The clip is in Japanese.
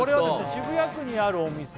渋谷区にあるお店